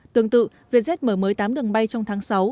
tương tự vietjet mở mới tám đường bay trong tháng sáu